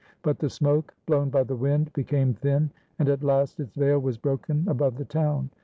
But the smoke, blown by the wind, became thin, and at last its veil was broken above the town.